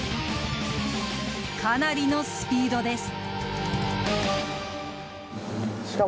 かなりのスピードです。